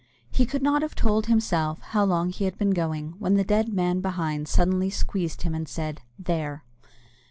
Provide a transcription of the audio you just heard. He could not have told, himself, how long he had been going, when the dead man behind suddenly squeezed him, and said, "There!"